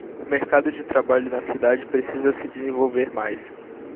O Mercado de trabalho na cidade precisa se desenvolver mais